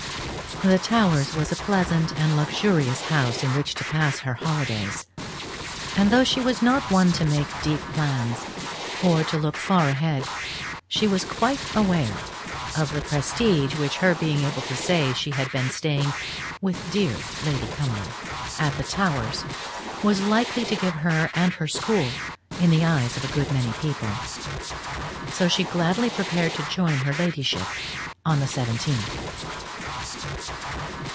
The Towers was a pleasant and luxurious house in which to pass her holidays; and though she was not one to make deep plans, or to look far ahead, she was quite aware of the prestige which her being able to say she had been staying with "dear Lady Cumnor" at the Towers, was likely to give her and her school in the eyes of a good many people; so she gladly prepared to join her ladyship on the 17th.